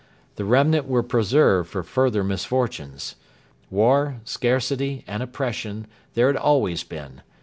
The remnant were preserved for further misfortunes. War, scarcity, and oppression there had always been.